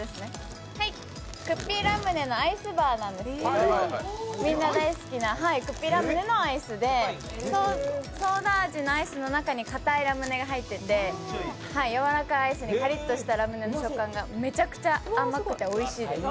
クッピーラムネのアイスバーなんですけど、みんな大好きなクッピーラムネのアイスでソーダ味のアイスの中にかたいラムネが入っててやわらかいアイスにカリッとしたラムネの食感がめちゃくちゃ甘くておいしいです。